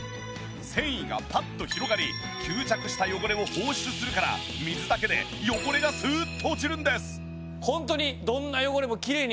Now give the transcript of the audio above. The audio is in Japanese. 繊維がパッと広がり吸着した汚れを放出するから水だけで汚れがスーッと落ちるんです。